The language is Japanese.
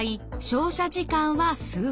照射時間は数分。